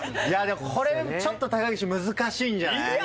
いやでもこれちょっと高岸難しいんじゃない？